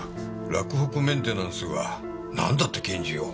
洛北メンテナンスはなんだって拳銃を？